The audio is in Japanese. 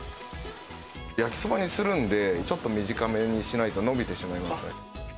焼きそばにするんで、ちょっと短めにしないと伸びてしまいますね。